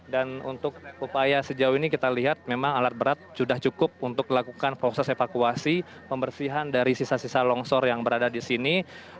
dan untuk upaya sejauh ini kita lihat memang alat berat sudah cukup untuk melakukan proses evakuasi pembersihan dari sisa sisa longsor yang berada di sini